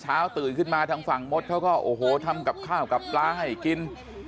ตื่นขึ้นมาทางฝั่งมดเขาก็โอ้โหทำกับข้าวกับปลาให้กิน